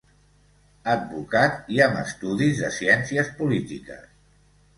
Advocat i amb estudis de Ciències Polítiques.